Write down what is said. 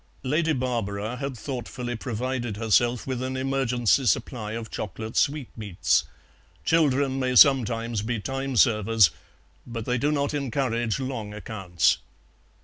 Lady Barbara had thoughtfully provided herself with an emergency supply of chocolate sweetmeats; children may sometimes be time servers, but they do not encourage long accounts.